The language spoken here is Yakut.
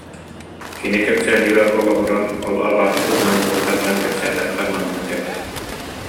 Кини кэпсээнигэр олоҕуран ол абааһы туһунан быһа тардан кэпсээтэххэ, маннык этэ